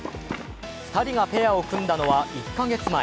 ２人がペアを組んだのは１カ月前。